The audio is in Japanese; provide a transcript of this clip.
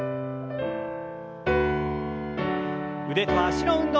腕と脚の運動。